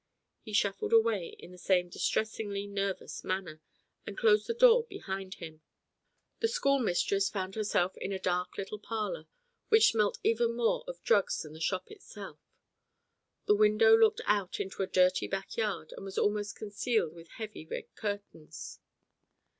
He shuffled away in the same distressingly nervous manner, and closed the door behind him. The schoolmistress found herself in a dark little parlour, which smelt even more of drugs than the shop itself. The window looked out into a dirty back yard, and was almost concealed with heavy red curtains.